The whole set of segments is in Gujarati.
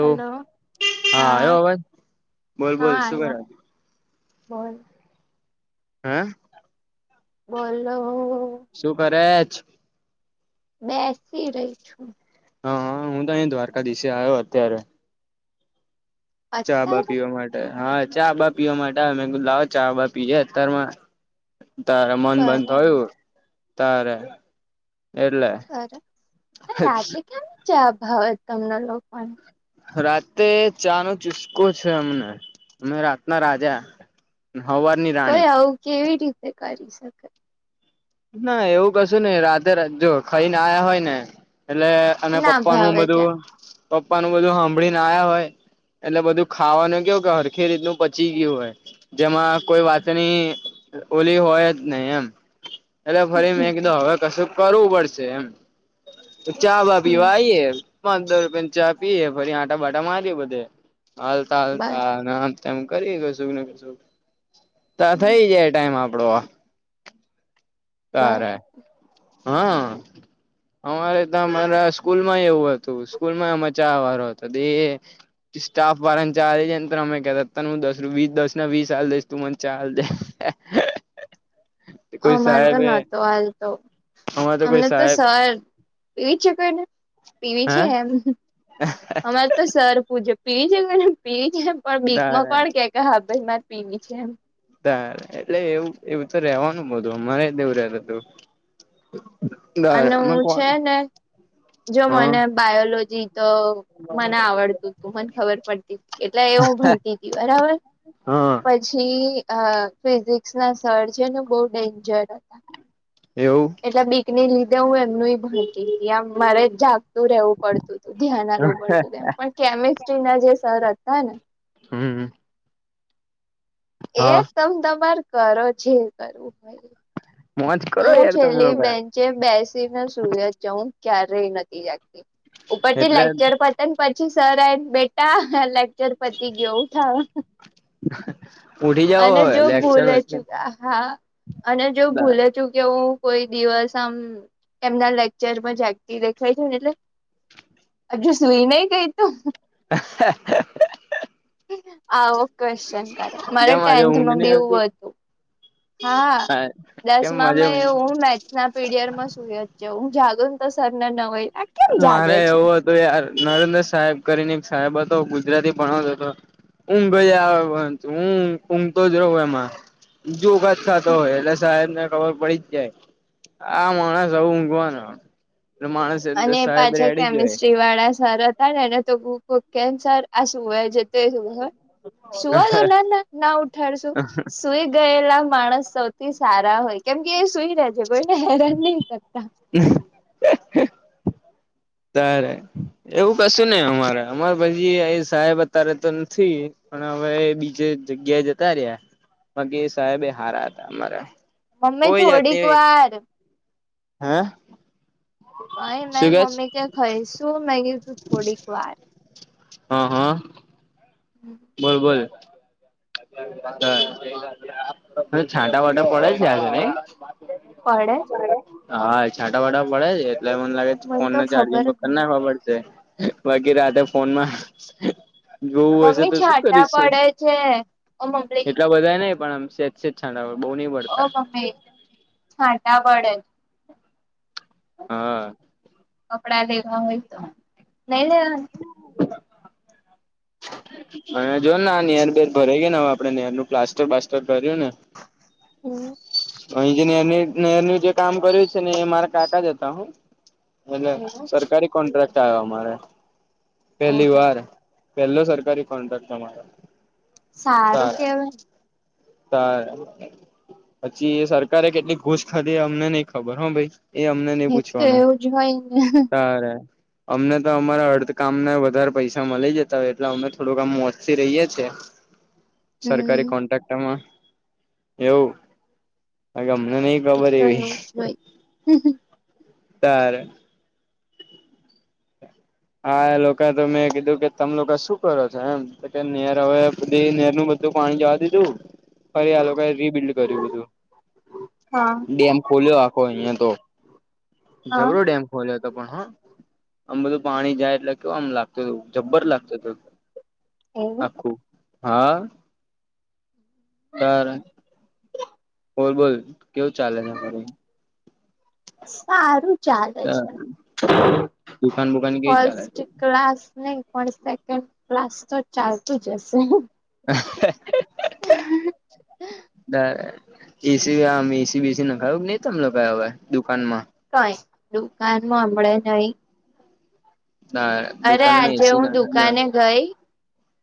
હલો હા આવ્યો અવાજ બોલ બોલ હા શું કરે હલો બોલ. હા બોલો ઓ શું કરે ચ? બેસી રહી છું. હા હા હું તો અહીં દ્વારકાધીશે આયો અત્યારે ચા બા અત્યારે પીવા માટે હા ચા બા પીવા માટે આયો મેગુ ચાલ ચા બા પીએે અતારમાં તારે મન બંધ બરાબર થયું તારે એટલે સરસ હચ રાતે કેમ ચા ભાવે જ તમને લોકોને. રાતે ચા નો ચુસ્કો છે અમને અમે રાતના રાજા હવારની રાણી કોઈ આવું કેવી રીતે કરી શકાય? ના એવું કશું નહિ રાતે રજ જો ખઈને આયા હોય ને એટલે અને ના પપ્પા નું ભાવે ચા બધું પપ્પા નું બધું હાંભળીને આયા હોય એટલે બધું ખાવાનું કેવું કે હરખી રીતનું પચી ગયું હોય. જેમાં કોઈ વાતની ઓલી હોય જ નહી એમ. એટલે ફરી મે કિદુ હવે કશું કરવું પડશે એમ ચા બા પીવા હમ આઈએે પંદર રૂપિયાની ચા પીએ ફરી આટાબાટા મારીએ બધે હાલતા હાલતા બરાબર આરામ તેમ કરીએ કશુંક ને કશુંક તાં થઈ જાય ટાઈમ આપડો તારે બર હા અમારે તમારા સ્કૂલમાંય એવું હત તો સ્કૂલમાં મજા આવારો હતો દેએ સ્ટાફ વાળાને ચારે જે ન ત્ર અમે કેતા તને હું દસ રુવી દસ ના વીસ આલી દઈશ તું મન ચાલ દે [unintelligible] કોઈ અમારે તો સાહેબે નતો હાલ તો અમારે કોઈ અમને તો સ સાહેબ પર પીવી છે કે એને પીવી હે છે એમ અમારે તો સર પુજ પીવી છે કોઈને પીવી છે પણ બીકમાં તારે કોણ કે ક હા ભાઈ મારે પીવી છે એમ તાર એટલે એવું એવું ત રેવાનું બધું અમારેય દેવું રેતું તું દ અને અ હું કોણ છે ને જો હા મને બાયોલોજી તો મને આવડતું તું મને ખબર પડતી એટલે હું ભણતી હતી બરાબર હા પછી અ ફિઝિક્સ ના સર્જનો બહ ડેન્જર હતા એવું એટલે બીકને લીધે હું એમનું ભણતી ત મારે ું રહેવું પડતું હતું ધ્યાન આવવું પડતું હતું એમ પણ કેમિસ્ટ્રી ના જે સર હતા ને હમ એ તમ તમારે કરો જે કરવું હોાઈ મોજ કરો હમ યાર તમે છેલ્લી લોકા બેન બેસીને સુ હું ક્યારેય નથી જાગતી ઉપર થી એટલે લેકચર પર પછી સર બેટા લેકચર પતી ગયવું થ ઉઠી જાવ અને હવે જો લેક્ચર ભૂલે ચુ વેક્ચર હા અને જો ભૂલે કે હું કોઈ દિવસ આમ એમના લેક્ચરમાં જાગતી દેખાય છું ને એટલે હજ સુઈ નહી કઈ તું હ આવો ક્વેશ્ચન કરે મારે કેમ આજે ઊંઘ ટેન્થમાં નહી આવતી? બીવું હતું હા હ કેમ મજા મેથસ ના પીડિયડમાં સુ જ છે હું જાગુન તો સર ને ન હો મારે એવું તો યાર નરેન્દ્ર સાહેબ કરીને સાહેબ હતો ગુજરાતી ભણાવતો હતો ઊંઘ આવે ઊઘ ઊંઘ તો જ રહું એમાં બીજુગત થતો હોય એટલે સાહેબ ને ખબર પડી જ જાય આ માણસ આવું ઊંઘવાનો એટલે માણસ અને સાહેબ પાછા રેડી જ હોય કેમિસ્ટ્રી દિવાળા સર હતા ને એને તો કેન સર આ શું હોય છે એ સુવાદો ના ના ના ઉઠાડશું સુઈ ગયેલા માણસ સૌથી સારા હોય કેમ કે એ સુઈ રહે છે કોઈને હેરાન નહી કરતા હ તારે એવું કશું નને અમારે અમારે પછી સાહેબ અત્યારે તો નથી પણ હવે બીજે જગ્યા જતા રહ્યાગી સાહેબ એ હારા હતા અમારા મમ્મી કોઈ થોડીક જાતની વાર હે કઈ નઈ શું કે મમ્મી ક છે ખઈ શું મે કી તું થોડીક વાર હા હા હમ બરોબર છાંટા વાટા પડે છે આજ પડે છે હા છાંટા વાટા પડે છે એટલે મને લાગે મને તો ફોનને ચાર્જિંગ ખબર જ કરને નહી ખબર છે વાગેરે રાતે ફોનમાં જોવું હશે તો શું કરી છે હ એટલા બધા નહ પણ આમ સે સ છાંય બઉ નહિ બ ઓ મમ્મી છાંટા પડે જ હા કપડા લેવા હોય તો નઈ લેવા [unintelligible] અને જો ને આ નેયર બેર ભરાઈ ગય ને હવે આપડે નેયર નું પ્લાસ્ટર પાસ્ટર ભર્યું ને હમ અહી જે ર નેરનું જે કામ કર્યું છે ને એ મારા કાકા જ હતા હું એટલે એવું સરકારી કોન્ટ્રાક્ટ આવ્યો અમારે પેલી ઓહો વાર પેલો સરકારી કોન્ટ્રાક્ટ તમારો સારું કેવાય ત પછી સરકારે કેટલી ઘૂસ ખાધી અમને નઈ ખબર હો ભાઈ એ અમને નહ એક તો પૂછવાનું એવું જ હોય ને સારે અમને તો અમારા અર્ધકામ ને વધારે પૈસા મળી જતા હોય એટલે અમને થોડુંકામ મોચથી રહીએે છીએ હમ સરકારી કોન્ટ્રાક્ટમાં એવું અમને નહ એ તો એવું જ હોય ત્યારે હ હા એ લોકો તો મેં કીધું કે તમે લોકો શું કરો છો એમ તો કે નેર હવે પધી નેર નું બધું બધું પાણી જવા દીધું ફરી આ લોકોએ રીબિિલ્ડ કર્યું બધું હા ડેમ ખોલ્યો આખો અહિયાં તો હા જબરો ડેમ ખોલ્યો હતો પણ હા આમ બધું પાણી જાય એટલે કેવામ લાગતું તું જબ્બર લાગતું ત એવું આખું હા તાર બોલ બોલ કેવું ચાલે છે અમારી સારું ચાલે દુકાન બુકાન કેવી ચાલે છે ક્લાસ નહી પણ સેકન્ડ ક્લાસ તો ચાલતું જ હશે હ એસી આમ એસી બેસી ના ખાયું કે ને તમ કયા હવે દુકાનમાં કઈ દુકાનમાં હમળે નઈ ના અરે આજે હું દુકાને ગઈ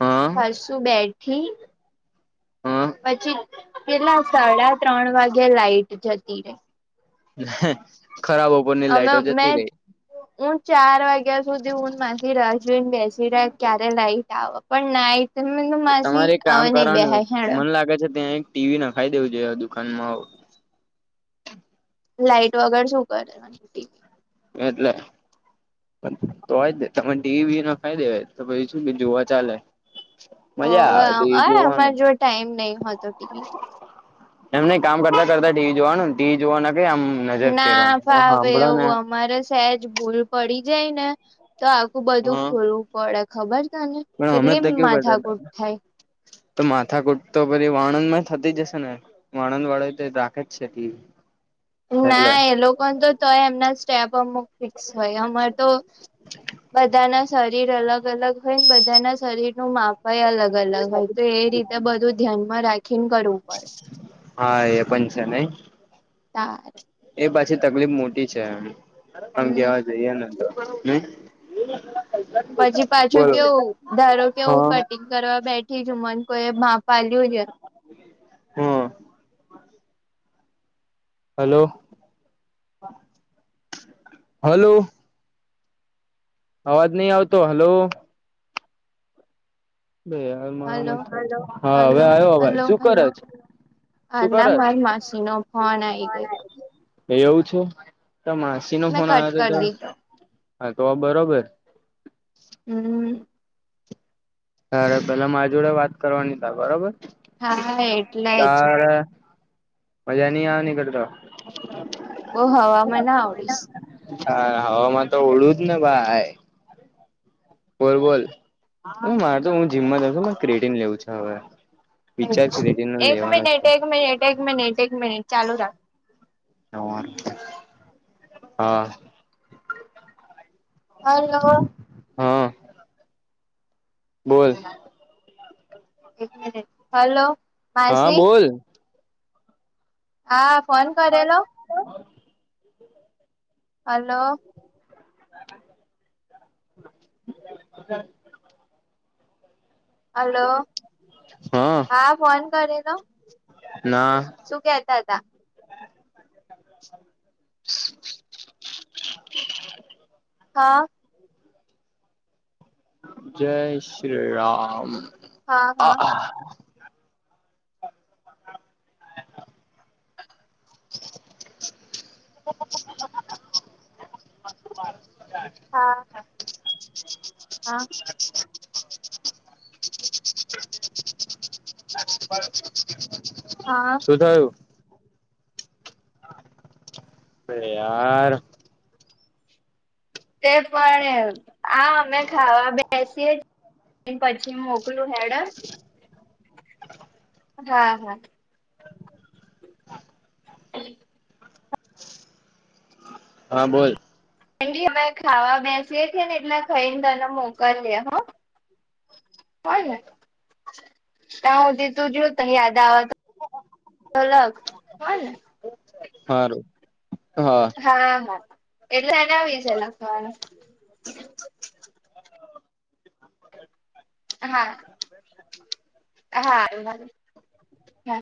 હા હસું બેઠી હા. પછી પેલા સાડા ત્રણ વાગે લાાઈટ જતી રે. ખરાબ હો. અમે મેં હું ચાર વાગ્યા સુધી હું માથી રાજવીને બેસી ક્યારે લાઈટ આવે પણ નાઈટ મે કીધું માસી તમારે આવે કામ નહી કરવાનું બેહે હેડો મન લાગે છે ત્યાં એક ટીવી નખાઈ દેવું જોઈએ દુકાનમાં લાઈટ વગર શું કરેવી એટલે તો હોય જ ને તને ડીવીવીી ના ફાયદે હોય તોછ શું કે જોવા ચાલે ઓ મજા આવે ટીવી અમારે જોવાનું જો ટાઈમ નહી હોતો ટીવી. એમ નહી કામ કરતા કરતા ટીવી જોવાનું ટીવી જોવા ના ક આમ. નજર ના ફેરવાની તમે ફાવે હાંભળો ને એવું અમારે સહેજ ભૂલ પડી જાય ને તો આખું બધું હા ખોલવું પડે ખબર છે ને. પણ અમે તો કેવ કરતા હતા તો માથા કૂટ તો પી વાણંદ માં થતી જશે ને. વાણંદ વાળો તો રાખે જ છે ટીવી. એટલે ના એ લોકો તો તોય એમના સ્ટેપ અમુક ફિક્સ હોય અમાર તો બધા ના શરીર અલગ અલગ હોય ને બધા ના શરીર નું માપ ભાઈ અલગ અલગ ભ તો એ રીતે બધું ધ્યાન માં રાખીને કરવું પડે. હા એ પણ છે નઈ. તારે એ પાછી તકલીફ મોટી છે એમ આમ કેવા હમ જઈએ ને તો. હમ્મ. પછી પાછું કેવું ધારો કેવું હા ક કરવા બેઠી છું મન કોઈ ભ પા્યું છે. હા હલો હલો. અવાજ નહી આવતો. હલો. બે હાર હલો મારામાં હા હવે હલો આવ્યો અવાજ. હવે હલો શું કરે હલો છે? શું આના કરે માર છે? માસી નો આઈ ફોન ગયેલો આયો તો. એવું છે તમા સી નો મેં ફોન કટ આવ હતો કરી દીધો હા તો બરોબર. હમ્મ. અરે પેલા મારી જોડે વાત કરવાની ત બરોબર. હા એટલે જ તારે મજાની આવે કરળતા. [unintelligible] ઓહ હવામાં ના આવડીશ. હા હવામાં તો ઓળું જ ને ભાઈ. બોલબોલ હ મારે તો હું જીમમાં જઉ છ ક્રેટી લેવું છે હવે. વિચાર ક્રેટીન એક લેવાનો મિનિટ છે. એક મિનિટ એક મિનિટ એક મિનિટ ચાલુ રાખ. હ હા. હલો. હા. બોલ. એક મિનિટ હાલો. હા બોલ. હા ફોન કરેલો. હલો. હ. હલો હા. હા ફોન કરે લો. ના. શું કેતા હતા. અચ્છા. [unintelligible] હા. જય શ્રી રામ હા આ [inaudible] હા હા. હા શું થયું? યાર તે પણ આ અમે ખાવા બેસીએ પછી મોકલું હેડમ હા હા એક હા બોલ એ કે અમે ખાવા બેસીએ છીએ ને એટલે ખાઈ ને તને મોકલી લે હ હો ન ત્યા હું ત તું જોય ત યાદ આવે તોલગ હો ને. હારુ હા હા હા એટલે એને આવી છે લખવાનું હા હા હા.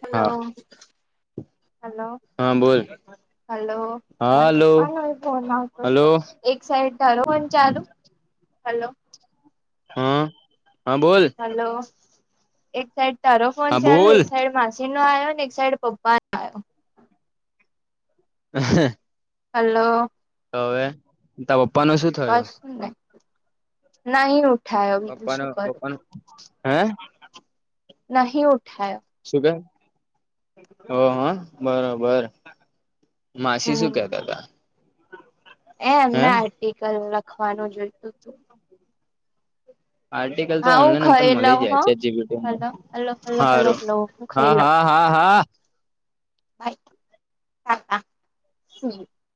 હલો હા હલો. હા બોલ હલો મારા હાલો પપ્પા નો ફોન આવતો હતો. હલો એક સાઈડ કરાલો ચાલુ હલો. હા હા બોલ. હલો એક સાઈડ તારો ફોન હા ચાલુ બોલ એક સાઈડ મા સી નો આવયો ને એક સાઈડ પપ્પાનો આવ્યો. હ હ. હલો. હવે. તા પપ્પા ન શું થયું અસ [unintelligible] નહી ઉઠાયો બીજું શું પપ્પાનું કરું પપ્પાનું હે નહી ઉઠાયો શું ક હો હા બરોબર માસી શું હમ કેતા હતા. એ હે એમને આર્ટિકલ લખવાનું જોયતું તું. આર્ટિકલ તો હા હું ઓનલાઈન એમતમ ખાઈ મળી લઉં હ જાય છે જીબીટીમાં હલો હલો હલો હલો સારું હલો હું હા હા. હા હા. ચ હા હા સુ